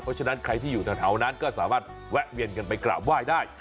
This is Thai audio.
เพราะฉะนั้นใครที่อยู่แถวนั้นก็สามารถแวะเวียนกันไปกราบไหว้ได้